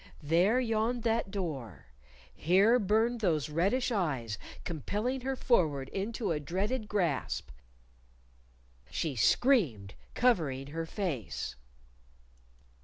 There yawned that door here burned those reddish eyes, compelling her forward into a dreaded grasp She screamed, covering her face.